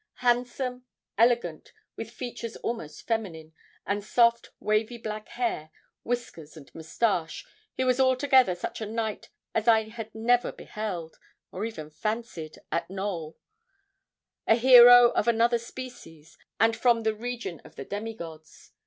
Handsome, elegant, with features almost feminine, and soft, wavy, black hair, whiskers and moustache, he was altogether such a knight as I had never beheld, or even fancied, at Knowl a hero of another species, and from the region of the demigods.